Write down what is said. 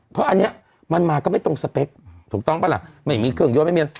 เพราะอันนี้มันมาก็ไม่ตรงสเปคถูกต้องปะล่ะไม่มีเครื่องยนต์ไม่มีอะไร